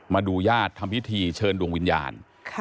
มาดูญาติทำพิธีเชิญดวงวิญญาณ